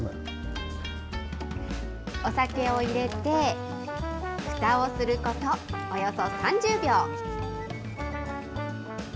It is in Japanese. お酒を入れて、ふたをすることおよそ３０秒。